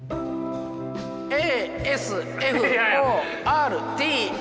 ＡＳＦＯＲＴＨ。